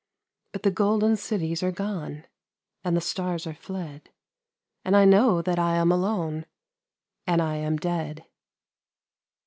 But the golden cities are gone And the stars are fled, And I know that I am alone, And 1 am dead.